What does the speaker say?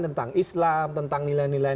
tentang islam tentang nilai nilai